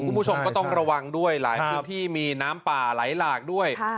คุณผู้ชมก็ต้องระวังด้วยหลายพื้นที่มีน้ำป่าไหลหลากด้วย